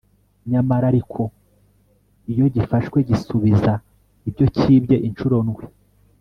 nyamara ariko iyo gifashwe, gisubiza ibyo cyibye incuro ndwi